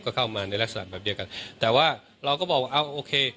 ก็เข้ามาในลักษณะแบบเดียวกันแต่ว่าเราก็บอกว่าเอาโอเค